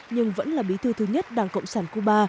nhưng vẫn là bí thư thứ nhất đảng cộng sản cuba